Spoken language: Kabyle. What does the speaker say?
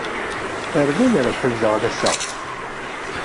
Rnan rebḥen daɣen ass-a.